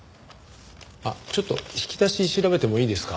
あっちょっと引き出し調べてもいいですか？